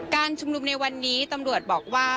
การชุมนุมในวันนี้ตำรวจบอกว่า